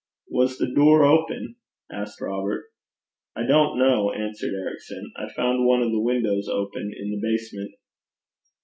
'Was the door open?' asked Robert. 'I don't know,' answered Ericson. 'I found one of the windows open in the basement.'